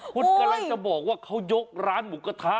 คุณกำลังจะบอกว่าเขายกร้านหมูกระทะ